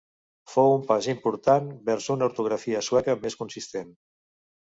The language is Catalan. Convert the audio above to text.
Fou un pas important vers una ortografia sueca més consistent.